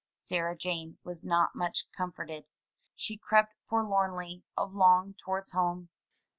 Sarah Jane was not much comforted. She crept forlornly along towards home.